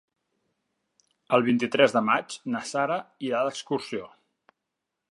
El vint-i-tres de maig na Sara irà d'excursió.